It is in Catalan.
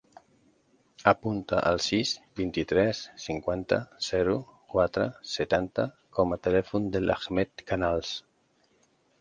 Apunta el sis, vint-i-tres, cinquanta, zero, quatre, setanta com a telèfon de l'Ahmed Canals.